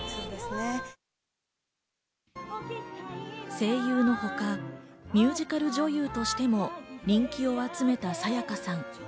声優のほか、ミュージカル女優としても人気を集めた沙也加さん。